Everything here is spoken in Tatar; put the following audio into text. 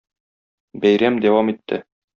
Бәйрәм дәвам итте.